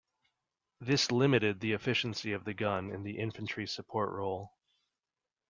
This limited the efficiency of the gun in the infantry support role.